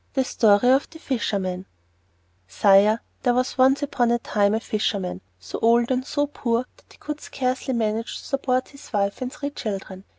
The Story of the Fisherman Sire, there was once upon a time a fisherman so old and so poor that he could scarcely manage to support his wife and three children.